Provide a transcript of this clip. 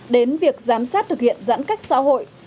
đến việc giám sát thực hiện giãn cách xã hội